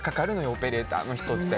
オペレーターって。